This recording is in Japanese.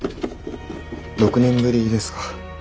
６年ぶりですか。